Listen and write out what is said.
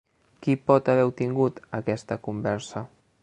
Qui pot haver obtingut aquesta conversa?